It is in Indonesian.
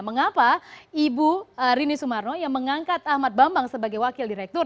mengapa ibu rini sumarno yang mengangkat ahmad bambang sebagai wakil direktur